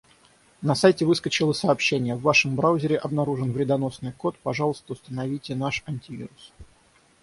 На сайте выскочило сообщение: «В вашем браузере обнаружен вредоносный код, пожалуйста, установите наш антивирус».